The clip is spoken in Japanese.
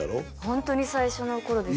ホントに最初の頃です